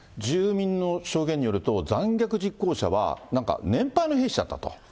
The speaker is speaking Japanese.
住民の証言によると、残虐実行者は、なんか年配の兵士だったと。